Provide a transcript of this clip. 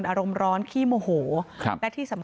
นายพิรายุนั่งอยู่ติดกันแบบนี้นะคะ